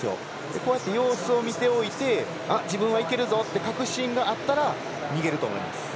こうやって様子を見ておいて自分はいけるぞって確信があったら逃げると思います。